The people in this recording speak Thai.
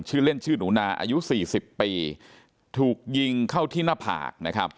ชื่อเล่นชื่อหนุนาอายุ๔๐ปีถูกยิงเข้าที่หน้าผาก